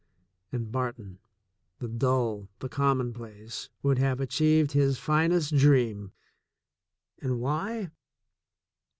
— and Barton, the dull, the commonplace, would have achieved his finest dream — and why?